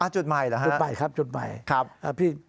จุดใหม่เหรอฮะจุดใหม่ครับจุดใหม่